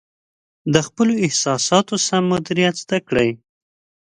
د خپلو احساساتو سم مدیریت زده کړئ.